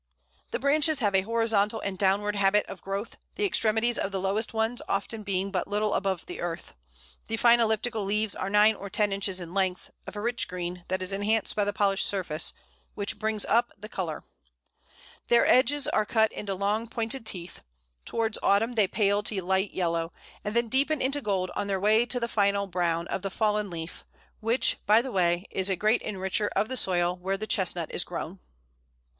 The branches have a horizontal and downward habit of growth, the extremities of the lowest ones often being but little above the earth. The fine elliptical leaves are nine or ten inches in length, of a rich green, that is enhanced by the polished surface, which "brings up" the colour. Their edges are cut into long pointed teeth. Towards autumn they pale to light yellow, and then deepen into gold on their way to the final brown of the fallen leaf, which, by the way, is a great enricher of the soil where the Chestnut is grown. [Illustration: Sweet Chestnut. A, fruit.